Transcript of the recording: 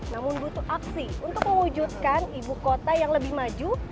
namun butuh aksi untuk mewujudkan ibu kota yang lebih maju